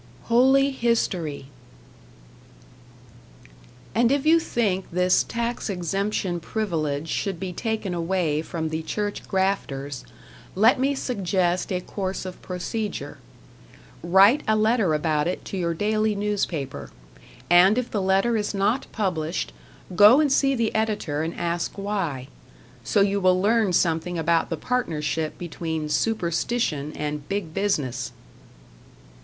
#"Holy History"# And if you think this tax exemption privilege should be taken away from the church grafters, let me suggest a course of procedure. Write a letter about it to your daily newspaper; and if the letter is not published, go and see the editor and ask why; so you will learn something about the partnership between Superstition and Big Business!